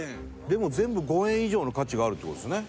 でも全部５円以上の価値があるって事ですよね。